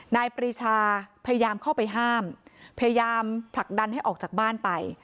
ปรีชาพยายามเข้าไปห้ามพยายามผลักดันให้ออกจากบ้านไป